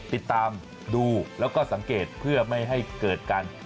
ติดตามดูแล้วก็สังเกตเพื่อไม่ให้เกิดการ